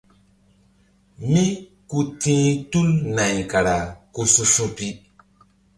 Mí ku ti̧h tul nay kara ku su̧su̧pi.